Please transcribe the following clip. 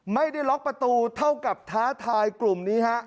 ไม่ได้ล็อกประตูเท่ากับท้าทายกลุ่มนี้ฮะ